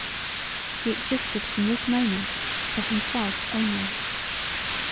He existed from this moment for himself only.